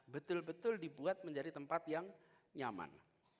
betul betul dibuat menjadi tempat yang nyaman